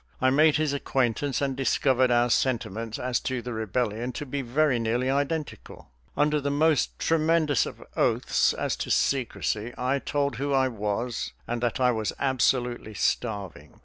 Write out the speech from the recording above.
I made his acquaintance and discovered our sentiments as to the rebellion to be very nearly identical. Under the most tremendous of oaths as to secrecy, I told who I was and that I was absolutely starving.